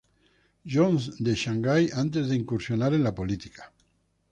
John's de Shanghai antes de incursionar en la política.